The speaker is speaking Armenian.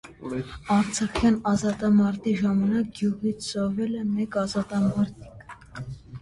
Արցախյան ազատամարտի ժամանակ գյուղից զոհվել է մեկ ազատամարտիկ։